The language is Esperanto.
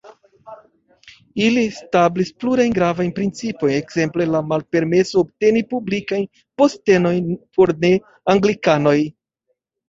Ili establis plurajn gravajn principojn, ekzemple la malpermeso obteni publikajn postenojn por ne-anglikanoj.